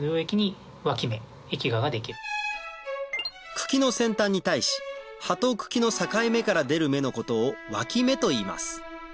茎の先端に対し葉と茎の境目から出る芽のことをわき芽といいます